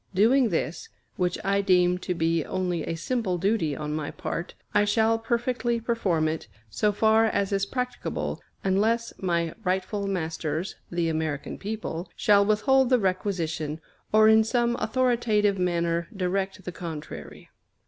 Doing this, which I deem to be only a simple duty on my part, I shall perfectly perform it, so far as is practicable, unless my rightful masters, the American people, shall withhold the requisition, or in some authoritative manner direct the contrary.